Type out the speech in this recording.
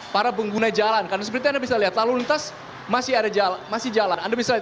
para pengguna jalan karena seperti anda bisa lihat lalu lintas masih ada masih jalan anda bisa lihat